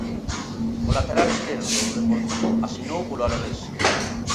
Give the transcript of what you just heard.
O lateral esquerdo do Deportivo asinou polo Alavés.